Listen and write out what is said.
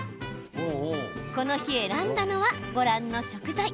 この日、選んだのはご覧の食材。